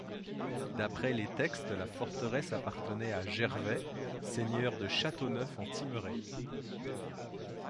D'après les textes, la forteresse appartenait à Gervais, seigneur de Châteauneuf-en-Thymerais.